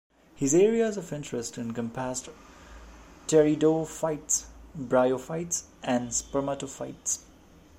His areas of interest encompassed Pteridophytes, Bryophytes and Spermatophytes.